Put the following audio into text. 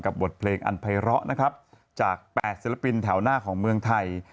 กับบทเพลงอันไพร้อนะครับจากแปดศิลปินแถวหน้าของเมืองไทย